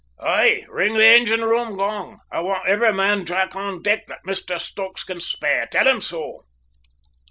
"Aye. Ring the engine room gong. I want every man jack on deck that Mr Stokes can spare; tell him so."